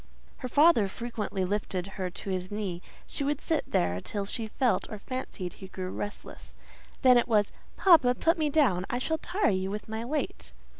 Her father frequently lifted her to his knee; she would sit there till she felt or fancied he grew restless; then it was—"Papa, put me down; I shall tire you with my weight."